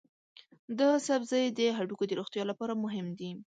دا سبزی د هډوکو د روغتیا لپاره مهم دی.